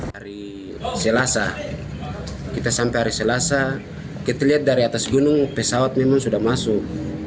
hari selasa kita sampai hari selasa kita lihat dari atas gunung pesawat memang sudah masuk